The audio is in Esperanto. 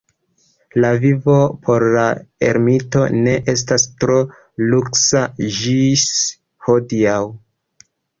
La vivo por la ermito ne estas tro luksa ĝis hodiaŭ.